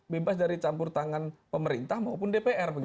bebas dari campur tangan pemerintah maupun dpr